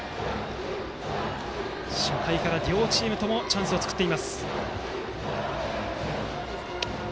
初回から両チームともチャンスを作っています。